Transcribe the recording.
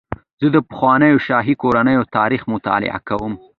زه د پخوانیو شاهي کورنیو تاریخ مطالعه کوم.